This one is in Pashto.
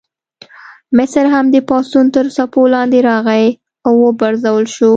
مصر هم د پاڅون تر څپو لاندې راغی او وپرځول شو.